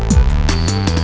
gak ada yang nungguin